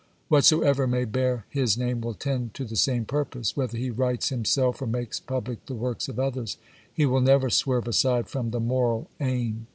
Whatsoever may bear his name will tend to the same purpose ; whether he writes himself or makes public the work of others, he will never swerve aside from the moral aim.